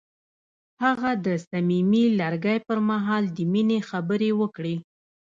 هغه د صمیمي لرګی پر مهال د مینې خبرې وکړې.